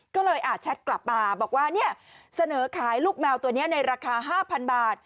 ก็เลยแชทกลับมาบอกว่าเนี่ยเสนอขายลูกแมวตัวนี้ในราคา๕๐๐บาท